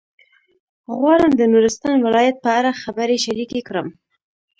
غواړم د نورستان ولایت په اړه خبرې شریکې کړم.